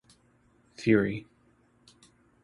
Feary.